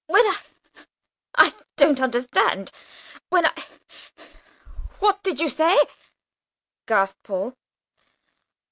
"When I, I don't understand. When I, what did you say?" gasped Paul.